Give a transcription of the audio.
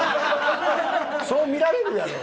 そう見られるやろ。